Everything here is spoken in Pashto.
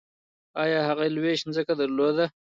ایا هغه لویشت ځمکه درلوده؟